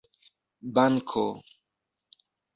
banko